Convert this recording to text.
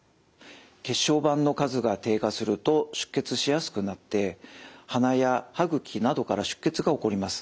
血小板の数が低下すると出血しやすくなって鼻や歯ぐきなどから出血が起こります。